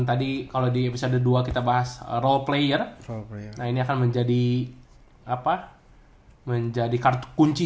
tadi kalau di episode dua kita bahas role player nah ini akan menjadi apa menjadi kartu kunci